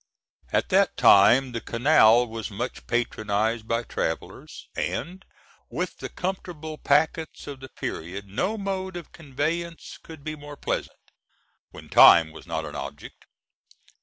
At that time the canal was much patronized by travellers, and, with the comfortable packets of the period, no mode of conveyance could be more pleasant, when time was not an object.